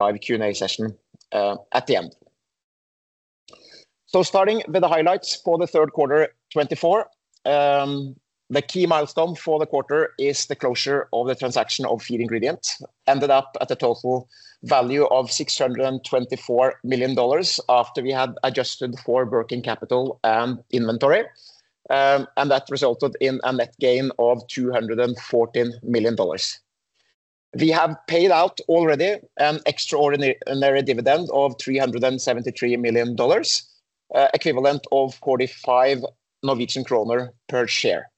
Live Q&A session, at the end. So starting with the highlights for the third quarter 2024, the key milestone for the quarter is the closure of the transaction of Feed Ingredients, ended up at a total value of $624 million after we had adjusted for working capital and inventory, and that resulted in a net gain of $214 million. We have paid out already an extraordinary dividend of $373 million, equivalent of 45 Norwegian kroner per share.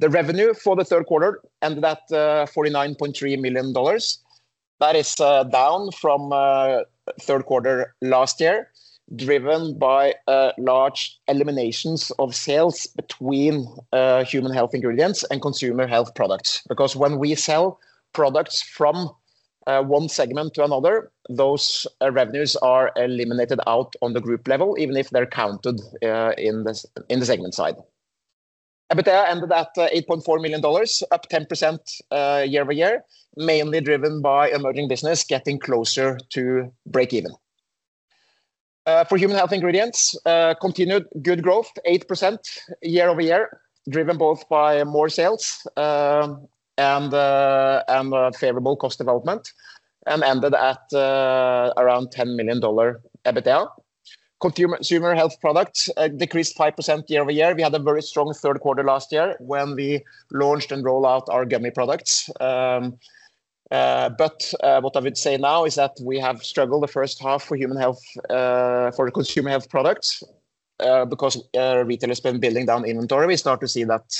The revenue for the third quarter ended at $49.3 million. That is down from third quarter last year, driven by large eliminations of sales between Human Health Ingredients and Consumer Health Products. Because when we sell products from one segment to another, those revenues are eliminated out on the group level, even if they're counted in the segment side. EBITDA ended at $8.4 million, up 10% year-over-year, mainly driven by Emerging Business getting closer to breakeven. For Human Health Ingredients, continued good growth, 8% year-over-year, driven both by more sales and favorable cost development, and ended at around $10 million EBITDA. Consumer Health Products decreased 5% year-over-year. We had a very strong third quarter last year when we launched and rolled out our gummy products. What I would say now is that we have struggled the first half for Human Health, for the Consumer Health Products, because retail has been building down inventory. We start to see that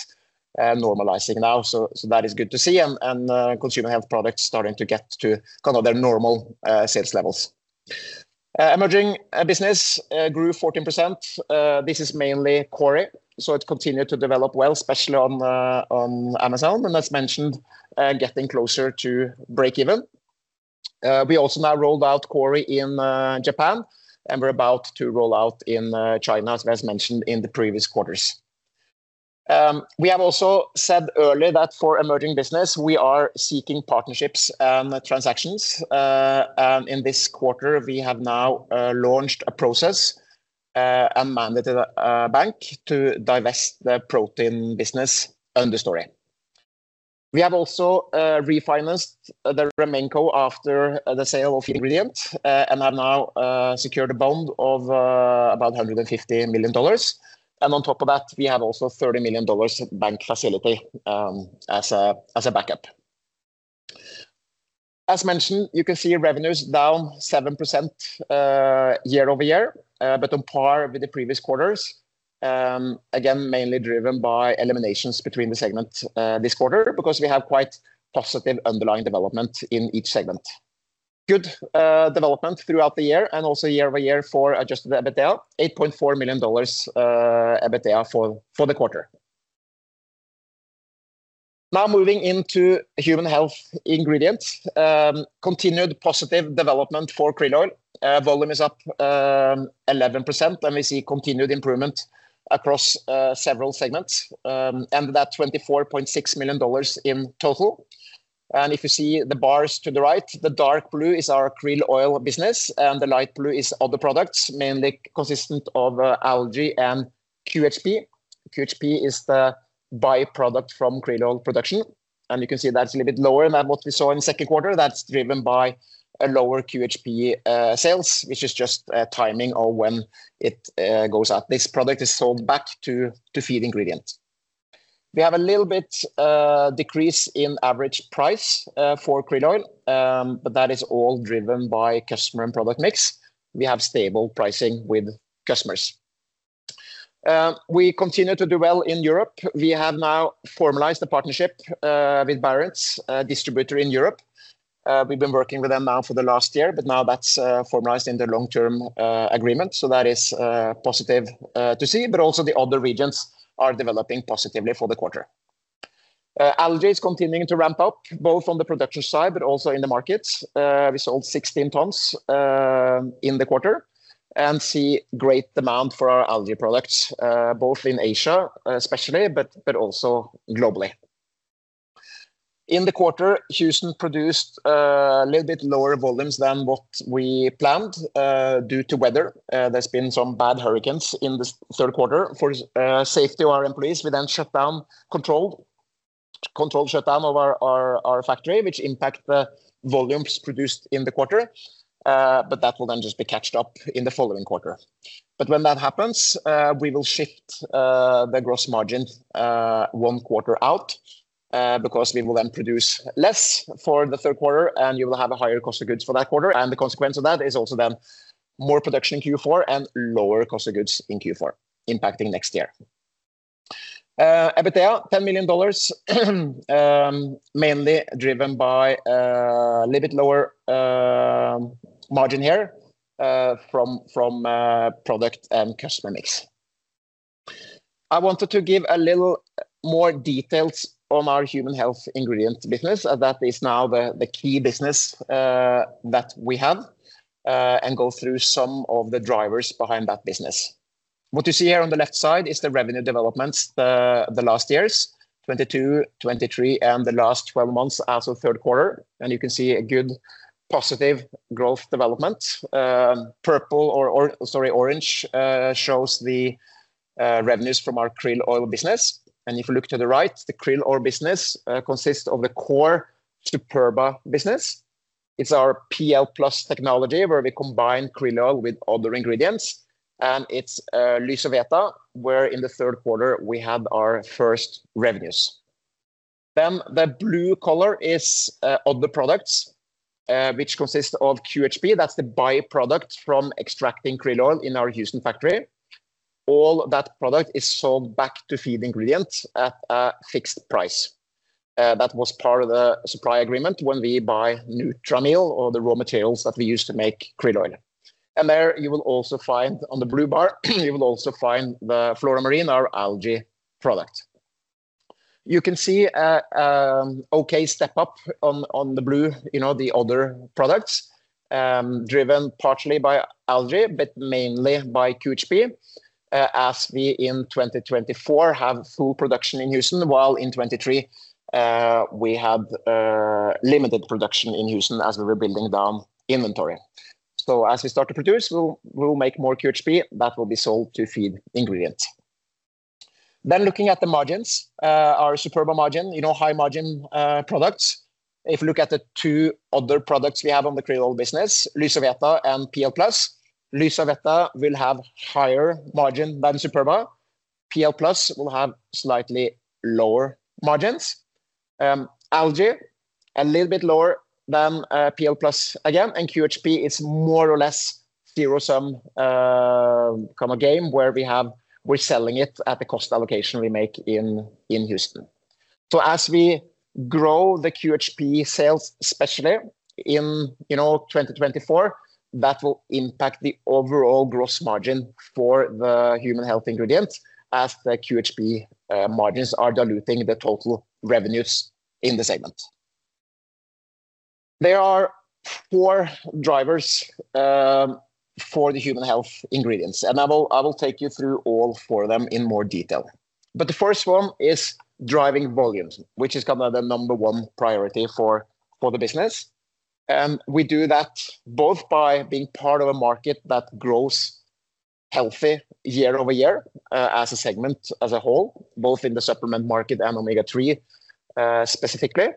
normalizing now. So that is good to see. And Consumer Health Products starting to get to kind of their normal sales levels. Emerging Business grew 14%. This is mainly Kori. So it continued to develop well, especially on Amazon. And as mentioned, getting closer to breakeven. We also now rolled out Kori in Japan, and we're about to roll out in China, as mentioned in the previous quarters. We have also said earlier that for emerging business, we are seeking partnerships and transactions. And in this quarter, we have now launched a process, and mandated a bank to divest the protein business Understory. We have also refinanced the RemainCo after the sale of ingredients, and have now secured a bond of about $150 million. And on top of that, we have also a $30 million bank facility, as a backup. As mentioned, you can see revenues down 7%, year-over-year, but on par with the previous quarters. Again, mainly driven by eliminations between the segments, this quarter, because we have quite positive underlying development in each segment. Good development throughout the year, and also year-over-year for Adjusted EBITDA $8.4 million EBITDA for the quarter. Now moving into Human Health Ingredients, continued positive development for krill oil volume is up 11%, and we see continued improvement across several segments, ended at $24.6 million in total. If you see the bars to the right, the dark blue is our krill oil business, and the light blue is other products, mainly consistent of algae and QHP. QHP is the byproduct from krill oil production. You can see that's a little bit lower than what we saw in the second quarter. That's driven by a lower QHP sales, which is just a timing of when it goes out. This product is sold back to Feed Ingredients. We have a little bit decrease in average price for krill oil, but that is all driven by customer and product mix. We have stable pricing with customers. We continue to do well in Europe. We have now formalized a partnership with Barentz, distributor in Europe. We've been working with them now for the last year, but now that's formalized in the long-term agreement. So that is positive to see, but also the other regions are developing positively for the quarter. Algae is continuing to ramp up both on the production side, but also in the markets. We sold 16 tons in the quarter and see great demand for our algae products, both in Asia, especially, but also globally. In the quarter, Houston produced a little bit lower volumes than what we planned due to weather. There's been some bad hurricanes in the third quarter. For safety of our employees, we then shut down in a controlled shutdown of our factory, which impacted the volumes produced in the quarter. But that will then just be caught up in the following quarter. But when that happens, we will shift the gross margin 1 quarter out, because we will then produce less for the third quarter, and you will have a higher cost of goods for that quarter. And the consequence of that is also then more production in Q4 and lower cost of goods in Q4 impacting next year. EBITDA $10 million, mainly driven by a little bit lower margin here from product and customer mix. I wanted to give a little more details on our Human Health Ingredient business, and that is now the key business that we have, and go through some of the drivers behind that business. What you see here on the left side is the revenue development, the last years, 2022, 2023, and the last 12 months as of third quarter. And you can see a good positive growth development. Orange shows the revenues from our krill oil business. And if you look to the right, the krill oil business consists of the core Superba business. It's our PL+ technology where we combine krill oil with other ingredients. And it's Lysoveta where in the third quarter we had our first revenues. Then the blue color is other products, which consist of QHP. That's the byproduct from extracting krill oil in our Houston factory. All that product is sold back to Feed Ingredients at a fixed price. that was part of the supply agreement when we buy Nutra meal or the raw materials that we use to make krill oil. And there you will also find on the blue bar the FloraMarine, our algae product. You can see a step up on the blue, you know, the other products, driven partially by algae, but mainly by QHP, as we in 2024 have full production in Houston, while in 2023, we had limited production in Houston as we were drawing down inventory. So as we start to produce, we'll make more QHP that will be sold to feed ingredients. Then looking at the margins, our Superba margin, you know, high margin, products. If we look at the two other products we have on the krill oil business, Lysoveta and PL+, Lysoveta will have higher margin than Superba. PL+ will have slightly lower margins. Algae a little bit lower than PL+ again. And QHP is more or less zero sum, kind of game where we have, we're selling it at the cost allocation we make in Houston. So as we grow the QHP sales especially in, you know, 2024, that will impact the overall gross margin for the Human Health Ingredients as the QHP margins are diluting the total revenues in the segment. There are four drivers for the Human Health Ingredients, and I will take you through all four of them in more detail. But the first 1 is driving volumes, which is kind of the number one priority for the business. And we do that both by being part of a market that grows healthy year-over-year, as a segment as a whole, both in the supplement market and omega-3, specifically.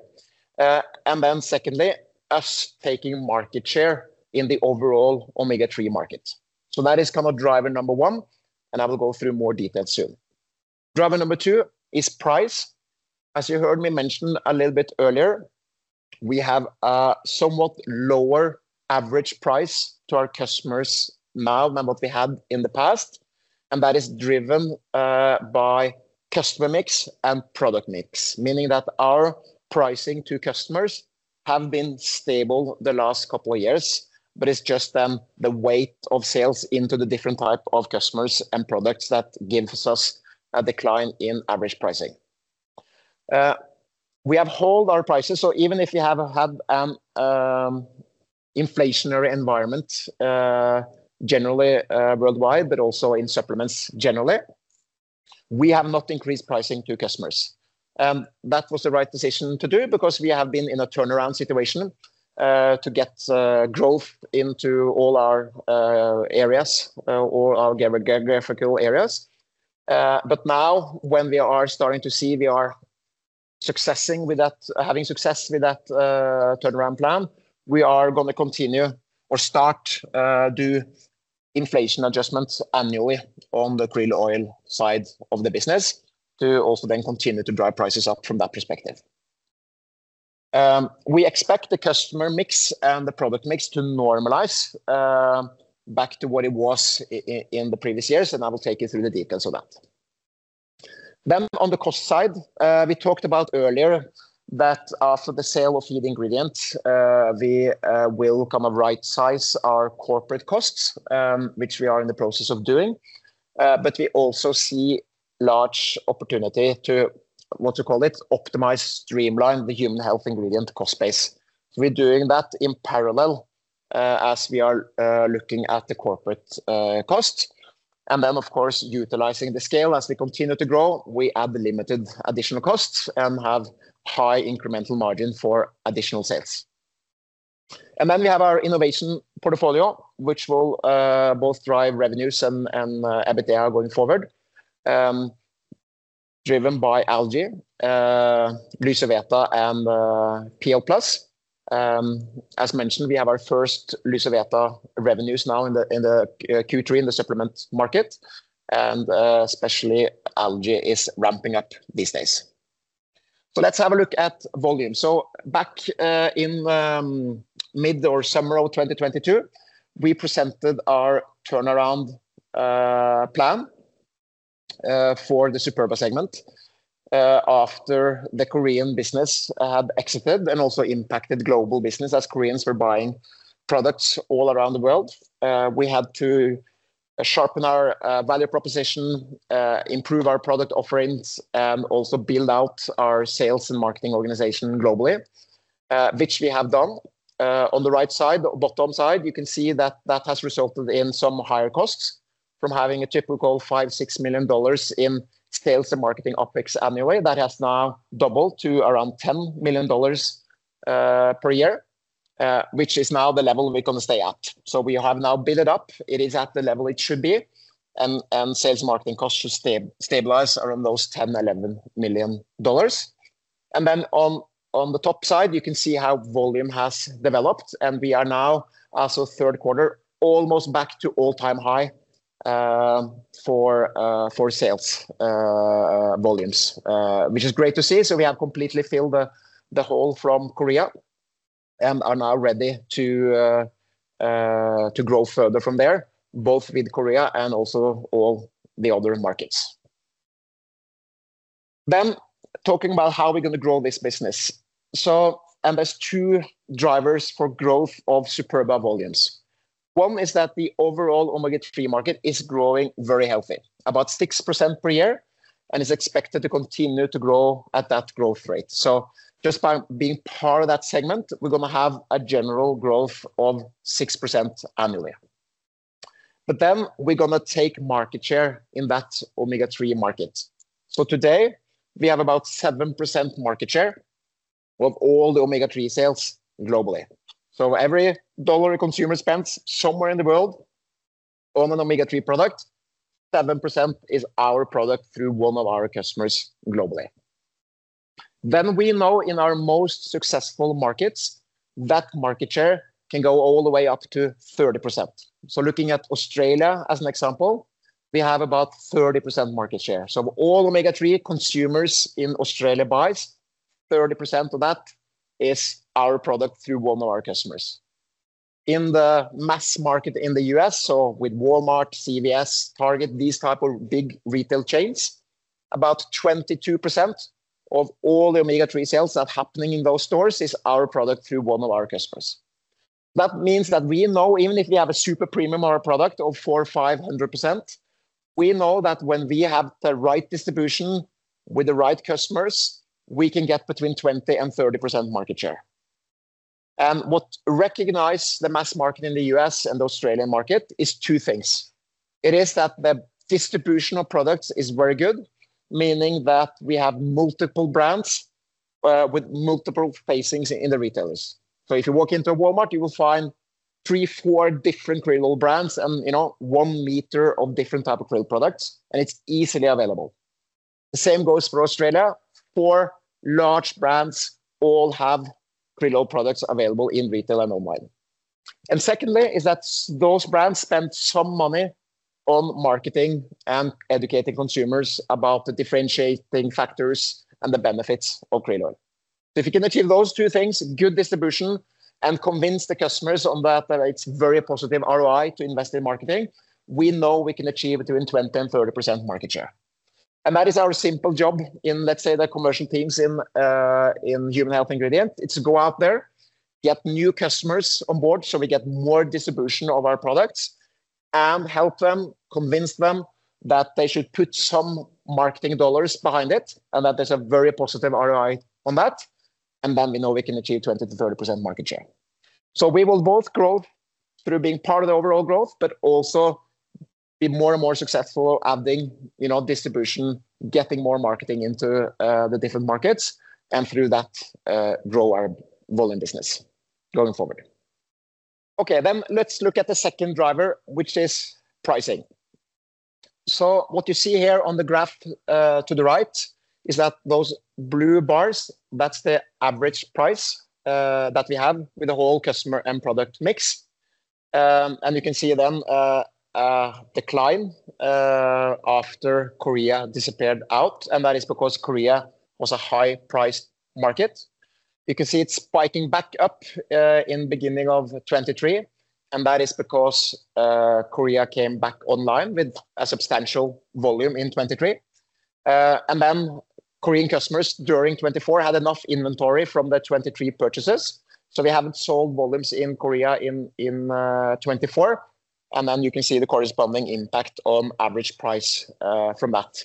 And then secondly, us taking market share in the overall omega-3 market. So that is kind of driver number one, and I will go through more details soon. Driver number two is price. As you heard me mention a little bit earlier, we have a somewhat lower average price to our customers now than what we had in the past. And that is driven by customer mix and product mix, meaning that our pricing to customers have been stable the last couple of years, but it's just then the weight of sales into the different type of customers and products that gives us a decline in average pricing. We have held our prices. So even if you have had an inflationary environment, generally, worldwide, but also in supplements generally, we have not increased pricing to customers. And that was the right decision to do because we have been in a turnaround situation to get growth into all our areas, or our geographical areas. But now when we are starting to see we are succeeding with that, having success with that, turnaround plan, we are going to continue or start, do inflation adjustments annually on the krill oil side of the business to also then continue to drive prices up from that perspective. We expect the customer mix and the product mix to normalize, back to what it was in the previous years. And I will take you through the details of that. Then on the cost side, we talked about earlier that after the sale of Feed Ingredients, we will kind of right-size our corporate costs, which we are in the process of doing. But we also see large opportunity to, what you call it, optimize, streamline the human health ingredient cost base. We're doing that in parallel, as we are, looking at the corporate, costs. Then, of course, utilizing the scale as we continue to grow, we add limited additional costs and have high incremental margin for additional sales. Then we have our innovation portfolio, which will both drive revenues and EBITDA going forward, driven by algae, Lysoveta and PL+. As mentioned, we have our first Lysoveta revenues now in the Q3 in the supplement market. And especially algae is ramping up these days. Let's have a look at volume. Back in mid or summer of 2022, we presented our turnaround plan for the Superba segment, after the Korean business had exited and also impacted global business as Koreans were buying products all around the world. We had to sharpen our value proposition, improve our product offerings, and also build out our sales and marketing organization globally, which we have done. On the right side, bottom side, you can see that that has resulted in some higher costs from having a typical $5-6 million in sales and marketing OpEx annually. That has now doubled to around $10 million per year, which is now the level we're going to stay at. So we have now bid it up. It is at the level it should be. And sales and marketing costs should stabilize around those $10-11 million. And then on the top side, you can see how volume has developed. And we are now as of third quarter almost back to all-time high for sales volumes, which is great to see. So we have completely filled the hole from Korea and are now ready to grow further from there, both with Korea and also all the other markets. Then talking about how we're going to grow this business. So, and there's two drivers for growth of Superba volumes. One is that the overall omega-3 market is growing very healthy, about 6% per year, and is expected to continue to grow at that growth rate. So just by being part of that segment, we're going to have a general growth of 6% annually. But then we're going to take market share in that omega-3 market. So today we have about 7% market share of all the omega-3 sales globally. So every dollar a consumer spends somewhere in the world on an omega-3 product, 7% is our product through one of our customers globally. Then we know in our most successful markets that market share can go all the way up to 30%. So looking at Australia as an example, we have about 30% market share. Of all omega-3 consumers in Australia buys, 30% of that is our product through one of our customers in the mass market in the US. With Walmart, CVS, Target, these type of big retail chains, about 22% of all the omega-3 sales that are happening in those stores is our product through one of our customers. That means that we know even if we have a super premium or a product of 400-500%, we know that when we have the right distribution with the right customers, we can get between 20% and 30% market share. What recognizes the mass market in the US and the Australian market is two things. It is that the distribution of products is very good, meaning that we have multiple brands, with multiple facings in the retailers. So if you walk into a Walmart, you will find three, four different krill oil brands and, you know, one meter of different type of krill products, and it's easily available. The same goes for Australia. Four large brands all have krill oil products available in retail and online. And secondly is that those brands spend some money on marketing and educating consumers about the differentiating factors and the benefits of krill oil. So if you can achieve those two things, good distribution and convince the customers on that, that it's very positive ROI to invest in marketing, we know we can achieve between 20% and 30 market share. And that is our simple job in, let's say, the commercial teams in, in human health ingredients. It's to go out there, get new customers on board so we get more distribution of our products and help them, convince them that they should put some marketing dollars behind it and that there's a very positive ROI on that. And then we know we can achieve 20%-30 market share. So we will both grow through being part of the overall growth, but also be more and more successful at adding, you know, distribution, getting more marketing into the different markets and through that, grow our volume business going forward. Okay, then let's look at the second driver, which is pricing. So what you see here on the graph, to the right is that those blue bars, that's the average price that we have with the whole customer and product mix, and you can see then decline after Korea disappeared out. That is because Korea was a high-priced market. You can see it's spiking back up in the beginning of 2023. That is because Korea came back online with a substantial volume in 2023. Then Korean customers during 2024 had enough inventory from the 2023 purchases. We haven't sold volumes in Korea in 2024. You can see the corresponding impact on average price from that.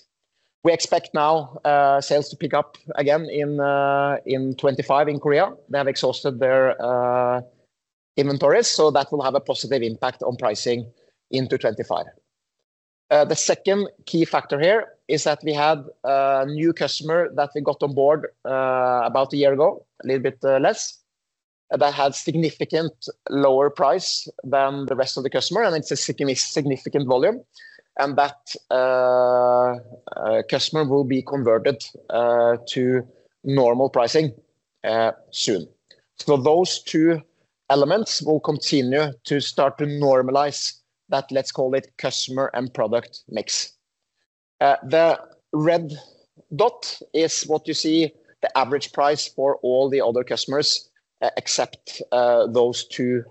We expect sales to pick up again in 2025 in Korea. They have exhausted their inventories. That will have a positive impact on pricing into 2025. The second key factor here is that we had a new customer that we got on board about a year ago, a little bit less, that had significant lower price than the rest of the customer. It's a significant volume. And that customer will be converted to normal pricing soon. So those two elements will continue to start to normalize that. Let's call it customer and product mix. The red dot is what you see, the average price for all the other customers, except those two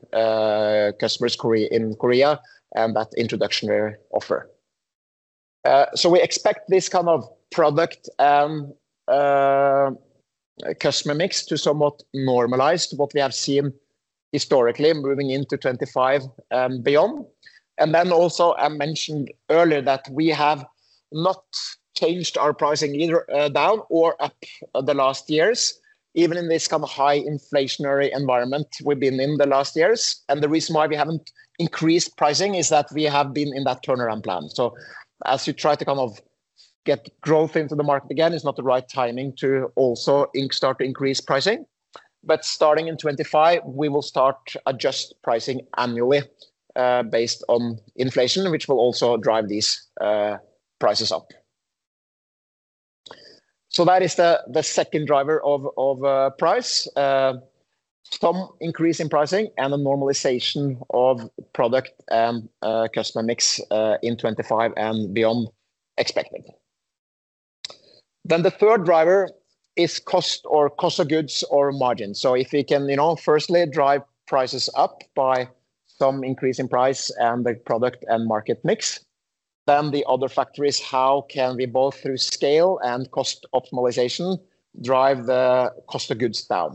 customers in Korea and that introductory offer. So we expect this kind of product and customer mix to somewhat normalize what we have seen historically moving into 2025 and beyond. And then also, I mentioned earlier that we have not changed our pricing either down or up the last years, even in this kind of high inflationary environment we've been in the last years. And the reason why we haven't increased pricing is that we have been in that turnaround plan. So as you try to kind of get growth into the market again, it's not the right timing to also start to increase pricing. But starting in 2025, we will start adjusting pricing annually, based on inflation, which will also drive these prices up. So that is the second driver of price, some increase in pricing and a normalization of product and customer mix in 2025 and beyond expected. Then the third driver is cost of goods or margin. So if we can, you know, firstly drive prices up by some increase in price and the product and market mix, then the other factor is how can we both through scale and cost optimization drive the cost of goods down.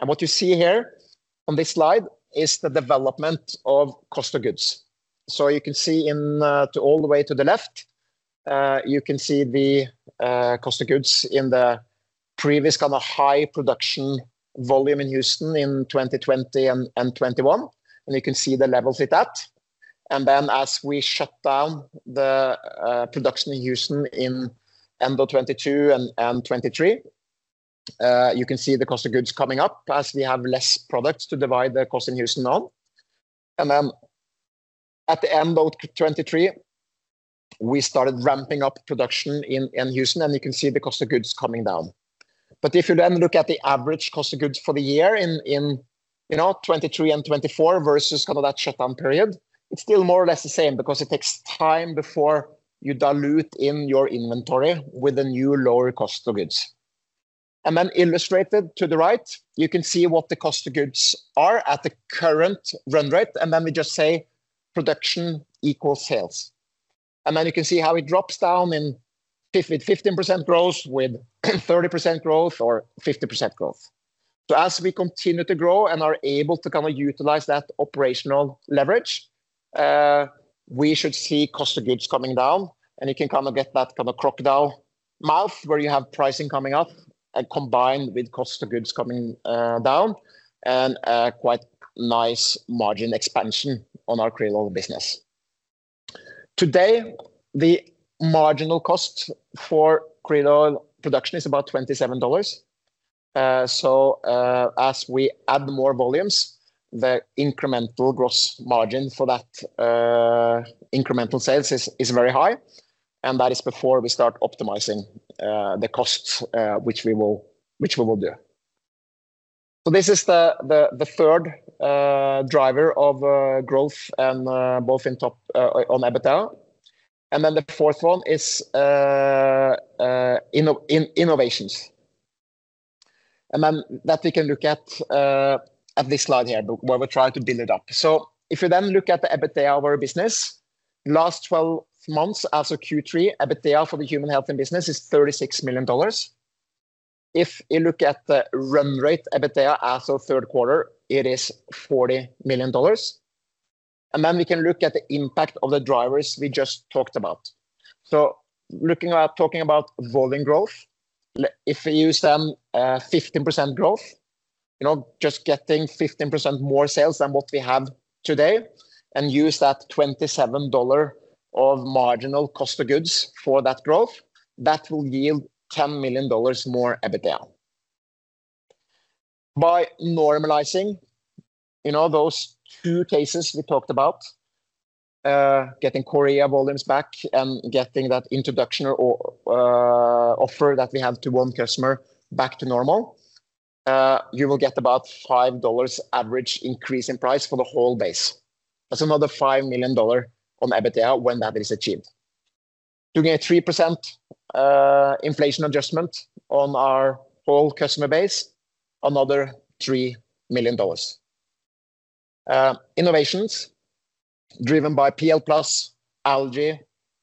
And what you see here on this slide is the development of cost of goods. You can see into all the way to the left. You can see the cost of goods in the previous kind of high production volume in Houston in 2020 and 2021. You can see the levels with that. Then as we shut down the production in Houston in the end of 2022 and 2023, you can see the cost of goods coming up as we have less products to divide the cost in Houston on. Then at the end of 2023, we started ramping up production in Houston. You can see the cost of goods coming down. But if you then look at the average cost of goods for the year in you know 2023 and 2024 versus kind of that shutdown period, it's still more or less the same because it takes time before you dilute in your inventory with a new lower cost of goods. And then illustrated to the right, you can see what the cost of goods are at the current run rate. And then we just say production equals sales. And then you can see how it drops down in with 15%, 30 or 50 growth. So as we continue to grow and are able to kind of utilize that operational leverage, we should see cost of goods coming down. And you can kind of get that kind of crocodile mouth where you have pricing coming up and combined with cost of goods coming down and quite nice margin expansion on our krill oil business. Today, the marginal cost for krill oil production is about $27, so as we add more volumes, the incremental gross margin for that incremental sales is very high. And that is before we start optimizing the costs, which we will do. So this is the third driver of growth and both in top on EBITDA. And then the fourth one is in innovations. And then that we can look at this slide here where we try to build it up. So if you then look at the EBITDA of our business, last 12 months as of Q3, EBITDA for the human health and business is $36 million. If you look at the run rate EBITDA as of third quarter, it is $40 million. And then we can look at the impact of the drivers we just talked about. So looking at, talking about volume growth, if we use them, 15% growth, you know, just getting 15% more sales than what we have today and use that $27 of marginal cost of goods for that growth, that will yield $10 million more EBITDA by normalizing, you know, those two cases we talked about, getting Korea volumes back and getting that introduction or, offer that we have to one customer back to normal. You will get about $5 average increase in price for the whole base. That's another $5 million on EBITDA when that is achieved. Doing a 3%, inflation adjustment on our whole customer base, another $3 million. Innovations driven by PL+, algae,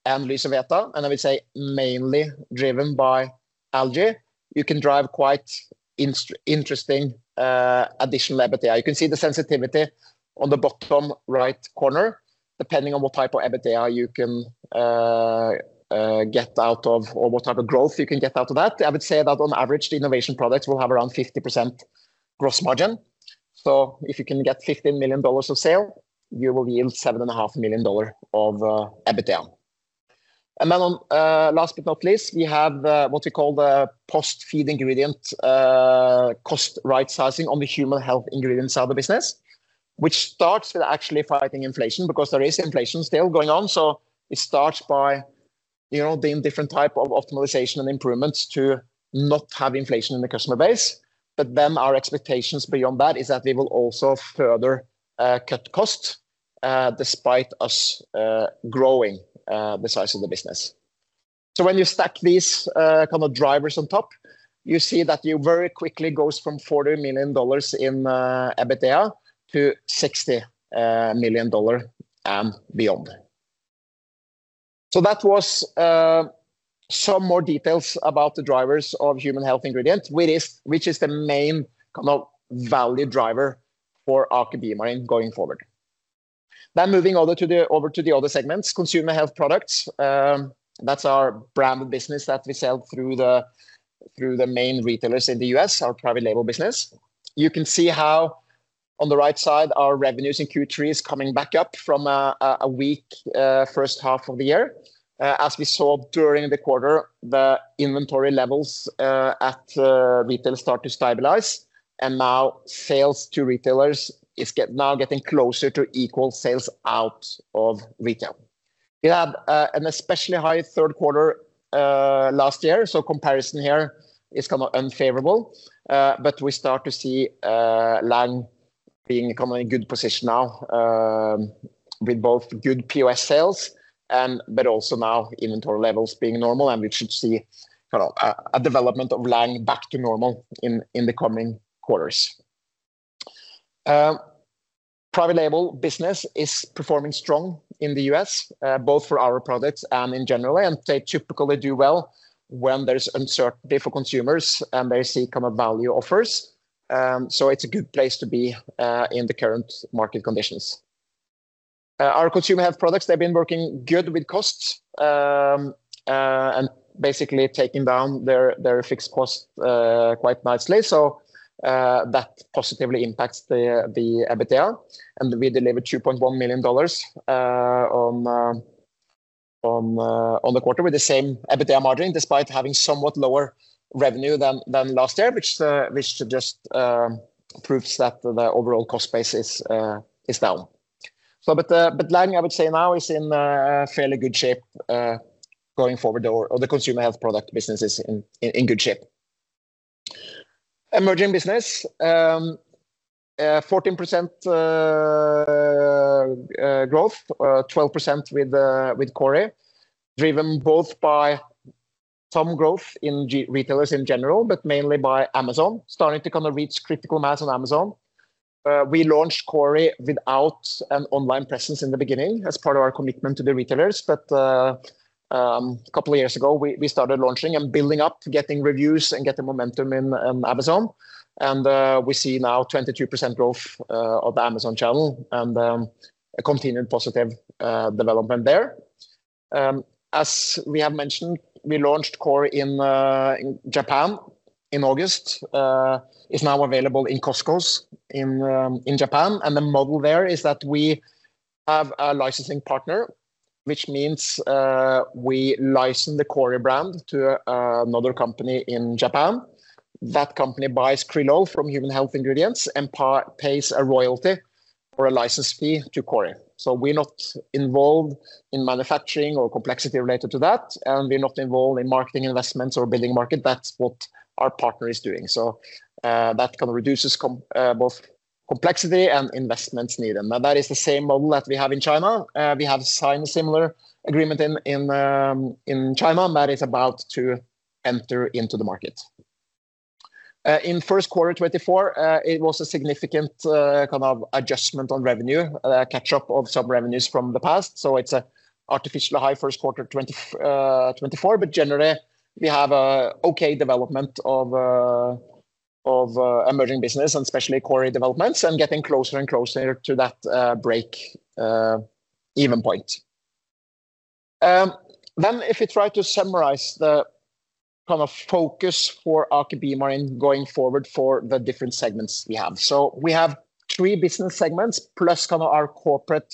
and Lysoveta, and I would say mainly driven by algae. You can drive quite interesting additional EBITDA. You can see the sensitivity on the bottom right corner, depending on what type of EBITDA you can get out of or what type of growth you can get out of that. I would say that on average, the innovation products will have around 50% gross margin. So if you can get $15 million of sale, you will yield $7.5 million of EBITDA. And then on, last but not least, we have what we call the post-Feed Ingredients cost right sizing on the human health ingredients of the business, which starts with actually fighting inflation because there is inflation still going on. So it starts by, you know, being different type of optimization and improvements to not have inflation in the customer base. But then our expectations beyond that is that we will also further cut costs, despite us growing the size of the business. So when you stack these kind of drivers on top, you see that you very quickly go from $40 million in EBITDA to $60 million and beyond. So that was some more details about the drivers of human health ingredients, which is the main kind of value driver for Aker BioMarine going forward. Then moving over to the other segments, consumer health products. That's our branded business that we sell through the main retailers in the U.S., our private label business. You can see how on the right side, our revenues in Q3 is coming back up from a weak first half of the year. As we saw during the quarter, the inventory levels at retail start to stabilize. Now sales to retailers is now getting closer to equal sales out of retail. We had an especially high third quarter last year. Comparison here is kind of unfavorable. But we start to see Lang being kind of in good position now, with both good POS sales and also now inventory levels being normal. We should see kind of a development of Lang back to normal in the coming quarters. Private label business is performing strong in the U.S., both for our products and in general. They typically do well when there's uncertainty for consumers and they see kind of value offers. It's a good place to be in the current market conditions. Our consumer health products have been working good with costs, and basically taking down their fixed costs quite nicely. That positively impacts the EBITDA. And we delivered $2.1 million on the quarter with the same EBITDA margin, despite having somewhat lower revenue than last year, which just proves that the overall cost base is down. So, but Lang I would say now is in fairly good shape, going forward or the consumer health product business is in good shape. Emerging business, 14% growth, 12% with Kori driven both by some growth in retailers in general, but mainly by Amazon starting to kind of reach critical mass on Amazon. We launched Kori without an online presence in the beginning as part of our commitment to the retailers. But, a couple of years ago, we started launching and building up, getting reviews and getting momentum in Amazon. And, we see now 22% growth of the Amazon channel and a continued positive development there. As we have mentioned, we launched Kori in Japan in August. It's now available in Costcos in Japan. And the model there is that we have a licensing partner, which means we license the Kori brand to another company in Japan. That company buys krill oil from Human Health Ingredients and pays a royalty or a license fee to Kori. So we're not involved in manufacturing or complexity related to that. And we're not involved in marketing investments or building market. That's what our partner is doing. So that kind of reduces both complexity and investments needed. And that is the same model that we have in China. We have signed a similar agreement in China and that is about to enter into the market in first quarter 2024. It was a significant kind of adjustment on revenue, catch-up of some revenues from the past. So it's an artificially high first quarter 2024, but generally we have an okay development of emerging business and especially Kori developments and getting closer and closer to that break-even point, then if you try to summarize the kind of focus for Aker BioMarine going forward for the different segments we have. We have three business segments plus kind of our corporate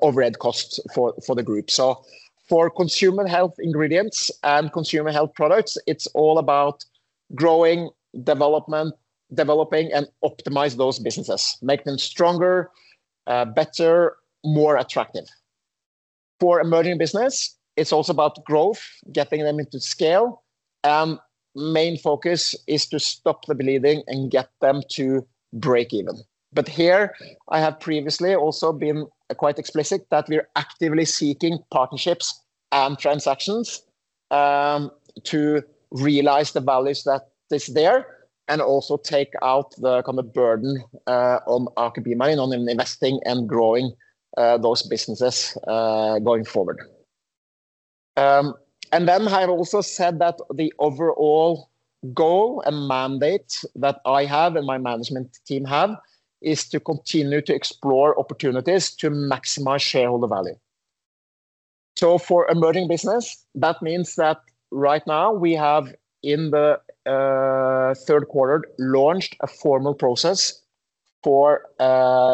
overhead costs for the group. For consumer health ingredients and consumer health products, it's all about growing, developing and optimizing those businesses, make them stronger, better, more attractive. For emerging business, it's also about growth, getting them into scale, and the main focus is to stop the bleeding and get them to break even. But here I have previously also been quite explicit that we're actively seeking partnerships and transactions to realize the values that is there and also take out the kind of burden on Aker BioMarine on investing and growing those businesses going forward. And then I have also said that the overall goal and mandate that I have and my management team have is to continue to explore opportunities to maximize shareholder value. So for emerging business, that means that right now we have in the third quarter launched a formal process for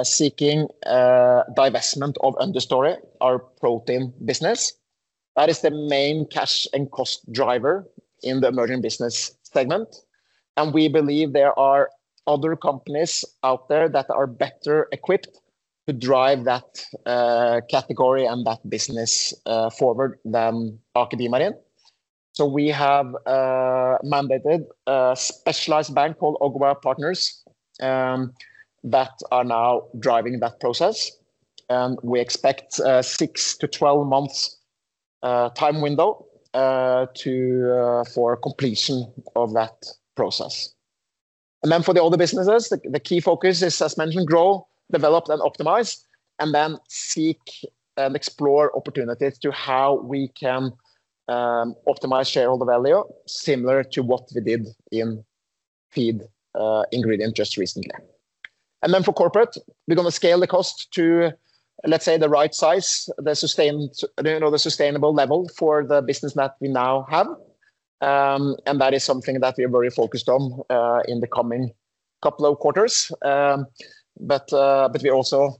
seeking divestment of Understory, our protein business. That is the main cash and cost driver in the emerging business segment. And we believe there are other companies out there that are better equipped to drive that category and that business forward than Aker BioMarine. We have mandated a specialized bank called Oghma Partners that are now driving that process. We expect a 6-12 months time window for completion of that process. For the other businesses, the key focus is, as mentioned, grow, develop, and optimize, and then seek and explore opportunities to how we can optimize shareholder value similar to what we did in Feed Ingredients just recently. For corporate, we're going to scale the cost to, let's say, the right size, the sustained, you know, the sustainable level for the business that we now have. That is something that we are very focused on in the coming couple of quarters. But we also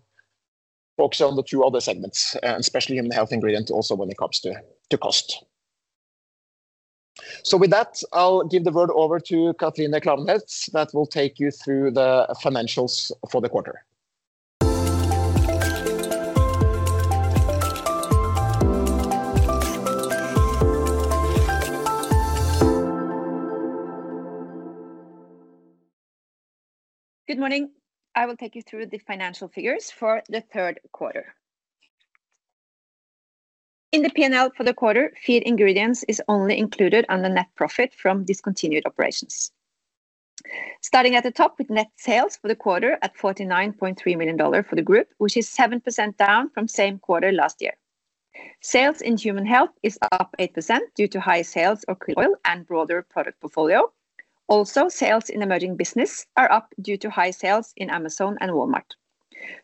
focus on the 2 other segments, and especially in the health ingredient also when it comes to cost. So with that, I'll give the word over to Katrine Klaveness that will take you through the financials for the quarter. Good morning. I will take you through the financial figures for the third quarter. In the P&L for the quarter, Feed Ingredients is only included on the net profit from discontinued operations. Starting at the top with net sales for the quarter at $49.3 million for the group, which is 7% down from same quarter last year. Sales in human health is up 8% due to high sales of krill oil and broader product portfolio. Also, sales in emerging business are up due to high sales in Amazon and Walmart.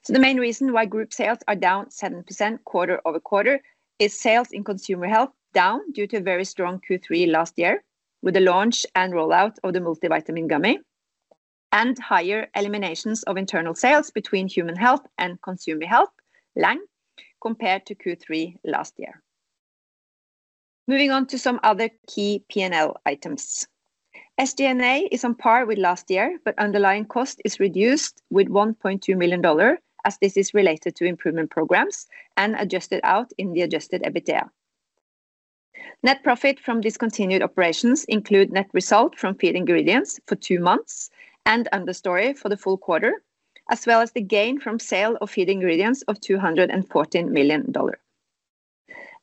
So the main reason why group sales are down 7% quarter-over-quarter is sales in consumer health down due to a very strong Q3 last year with the launch and rollout of the multivitamin gummy and higher eliminations of internal sales between human health and consumer health, Lang, compared to Q3 last year. Moving on to some other key P&L items. SG&A is on par with last year, but underlying cost is reduced with $1.2 million as this is related to improvement programs and adjusted out in the Adjusted EBITDA. Net profit from discontinued operations include net result from Feed Ingredients for two months and Understory for the full quarter, as well as the gain from sale of Feed Ingredients of $214 million.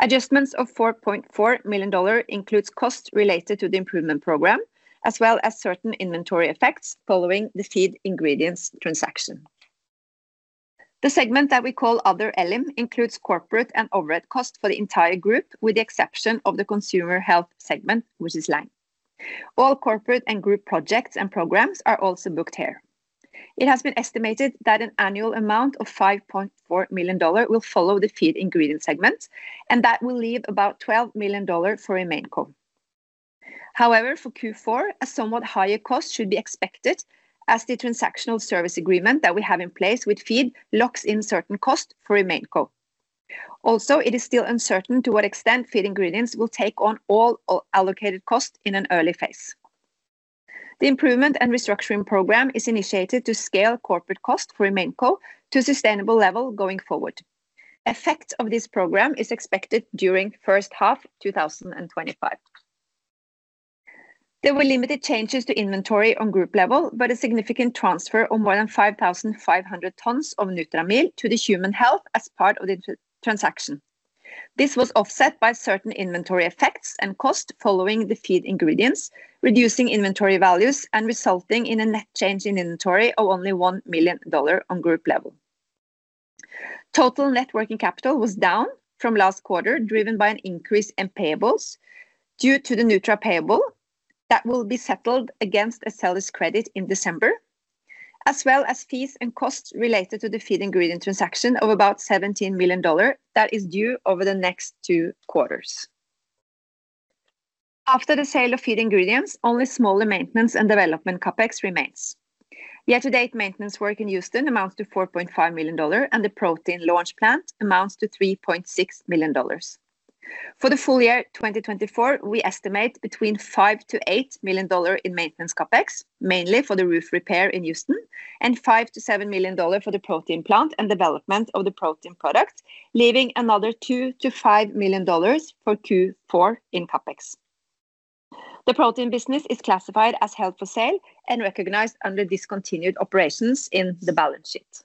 Adjustments of $4.4 million includes costs related to the improvement program, as well as certain inventory effects following the Feed Ingredients transaction. The segment that we call other LM includes corporate and overhead costs for the entire group, with the exception of the consumer health segment, which is Lang. All corporate and group projects and programs are also booked here. It has been estimated that an annual amount of $5.4 million will follow the Feed Ingredients segment, and that will leave about $12 million for RemainCo. However, for Q4, a somewhat higher cost should be expected as the transactional service agreement that we have in place with Feed Ingredients locks in certain costs for RemainCo. Also, it is still uncertain to what extent Feed Ingredients will take on all allocated costs in an early phase. The improvement and restructuring program is initiated to scale corporate costs for RemainCo to sustainable level going forward. Effect of this program is expected during first half 2025. There were limited changes to inventory on group level, but a significant transfer of more than 5,500 tons of NutraMeal to the human health as part of the transaction. This was offset by certain inventory effects and costs following the Feed Ingredients, reducing inventory values and resulting in a net change in inventory of only $1 million on group level. Total net working capital was down from last quarter, driven by an increase in payables due to the Nutra payable that will be settled against a seller's credit in December, as well as fees and costs related to the Feed Ingredients transaction of about $17 million that is due over the next two quarters. After the sale of Feed Ingredients, only smaller maintenance and development CapEx remains. Yet to date, maintenance work in Houston amounts to $4.5 million and the protein launch plant amounts to $3.6 million. For the full year 2024, we estimate between $5-8 million in maintenance CapEx, mainly for the roof repair in Houston, and $5-7 million for the protein plant and development of the protein product, leaving another $2-5 million for Q4 in CapEx. The protein business is classified as held for sale and recognized under discontinued operations in the balance sheet.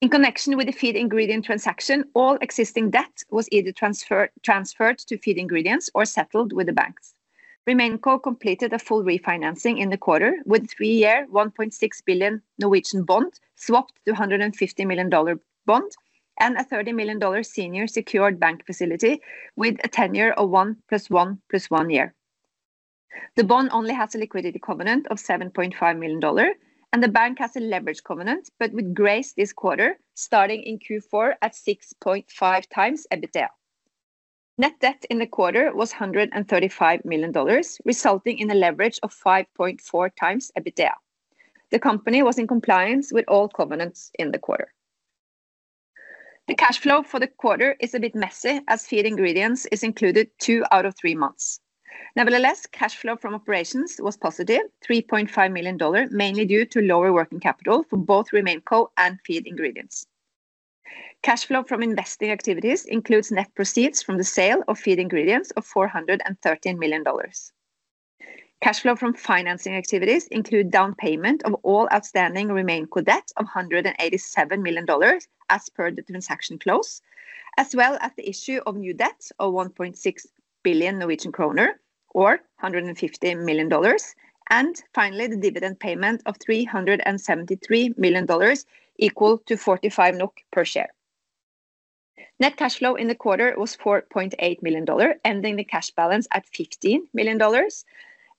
In connection with the Feed Ingredients transaction, all existing debt was either transferred to Feed Ingredients or settled with the banks. RemainCo completed a full refinancing in the quarter with a three-year 1.6 billion Norwegian bond swapped to $150 million bond and a $30 million senior secured bank facility with a tenure of one plus one plus one year. The bond only has a liquidity covenant of $7.5 million and the bank has a leverage covenant, but with grace this quarter starting in Q4 at 6.5 times EBITDA. Net debt in the quarter was $135 million, resulting in a leverage of 5.4 times EBITDA. The company was in compliance with all covenants in the quarter. The cash flow for the quarter is a bit messy as Feed Ingredients is included 2 out of 3 months. Nevertheless, cash flow from operations was positive, $3.5 million, mainly due to lower working capital for both RemainCo and Feed Ingredients. Cash flow from investing activities includes net proceeds from the sale of Feed Ingredients of $413 million. Cash flow from financing activities includes down payment of all outstanding RemainCo debt of $187 million as per the transaction clause, as well as the issue of new debt of 1.6 billion Norwegian kroner or $150 million, and finally, the dividend payment of $373 million equal to 45 NOK per share. Net cash flow in the quarter was $4.8 million, ending the cash balance at $15 million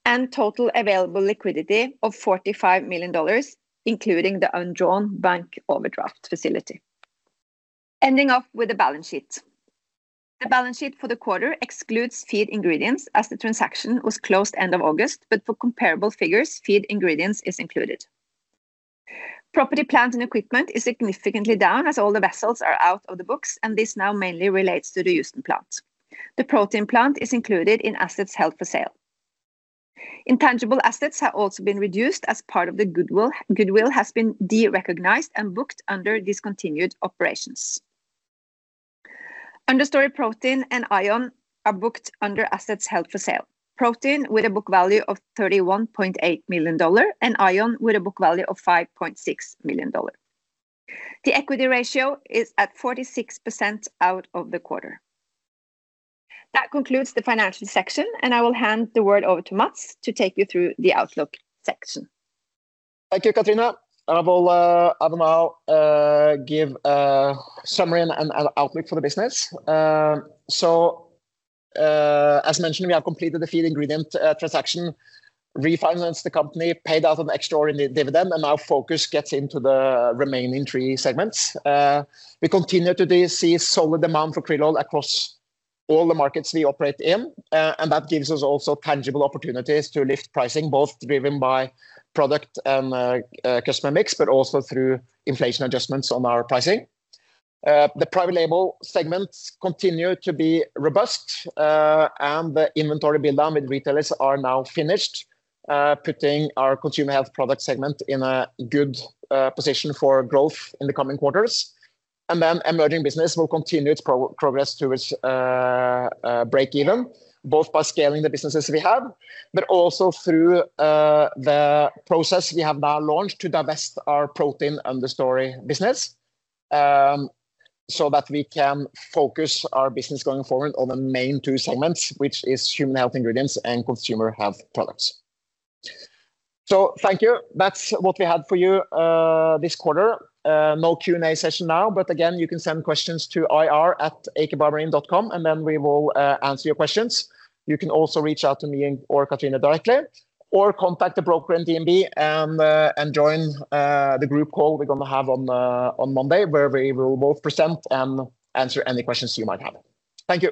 and total available liquidity of $45 million, including the undrawn bank overdraft facility. Ending off with the balance sheet. The balance sheet for the quarter excludes Feed Ingredients as the transaction was closed end of August, but for comparable figures, Feed Ingredients is included. Property, plant, and equipment is significantly down as all the vessels are out of the books, and this now mainly relates to the Houston plant. The protein plant is included in assets held for sale. Intangible assets have also been reduced as part of the goodwill has been derecognized and booked under discontinued operations. Understory Protein and AION are booked under assets held for sale. Understory Protein with a book value of $31.8 million and AION with a book value of $5.6 million. The equity ratio is at 46% out of the quarter. That concludes the financial section, and I will hand the word over to Matts to take you through the outlook section. Thank you, Katrine. I will now give a summary and an outlook for the business, so as mentioned, we have completed the feed ingredient transaction, refinanced the company, paid out an extraordinary dividend, and now focus gets into the remaining three segments. We continue to see solid demand for krill oil across all the markets we operate in, and that gives us also tangible opportunities to lift pricing, both driven by product and customer mix, but also through inflation adjustments on our pricing. The private label segments continue to be robust, and the inventory build-up with retailers are now finished, putting our consumer health product segment in a good position for growth in the coming quarters, and then emerging business will continue its progress towards break even, both by scaling the businesses we have, but also through the process we have now launched to divest our protein Understory business, so that we can focus our business going forward on the main two segments, which is human health ingredients and consumer health products, so thank you. That's what we had for you this quarter. No Q&A session now, but again, you can send questions to ir@akerbiomarine.com and then we will answer your questions. You can also reach out to me or Katrine directly or contact the broker in DNB and join the group call we're going to have on Monday where we will both present and answer any questions you might have. Thank you.